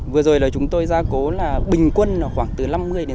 vừa rồi chúng tôi gia cố là bình quân khoảng từ năm mươi đến năm mươi